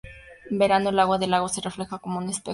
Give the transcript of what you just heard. En verano, el agua del lago se refleja como un espejo.